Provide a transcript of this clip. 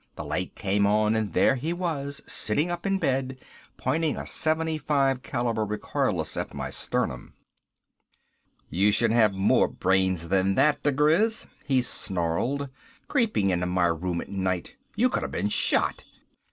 The light came on and there he was sitting up in bed pointing a .75 caliber recoilless at my sternum. "You should have more brains than that, diGriz," he snarled. "Creeping into my room at night! You could have been shot."